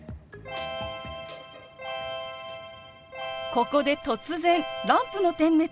ここで突然ランプの点滅。